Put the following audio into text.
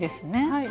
はい。